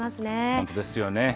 本当ですよね。